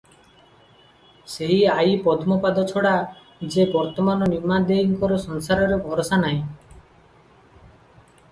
ସେହି ଆଈ ପଦ୍ମପାଦ ଛଡା ଯେ ବର୍ତ୍ତମାନ ନିମା ଦେଈଙ୍କର ସଂସାରରେ ଭରସା ନାହିଁ ।